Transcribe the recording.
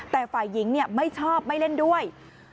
แต่ฝ่ายหญิงไม่ชอบไม่เล่นด้วย